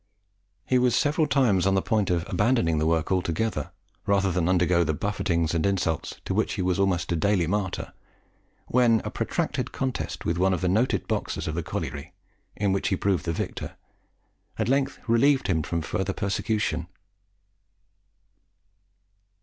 He was several times on the point of abandoning the work altogether, rather than undergo the buffetings and insults to which he was almost a daily martyr, when a protracted contest with one of the noted boxers of the colliery, in which he proved the victor, at length relieved him from further persecution.